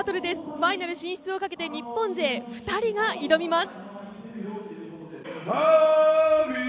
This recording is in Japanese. ファイナル進出をかけて日本勢２人が挑みます。